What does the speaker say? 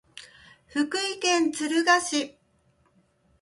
福井県敦賀市